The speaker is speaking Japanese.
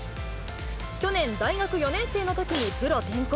去年、大学４年生のときにプロ転向。